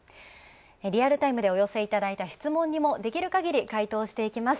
リアルタイムでお寄せいただいた質問にもできるかぎり回答していきます。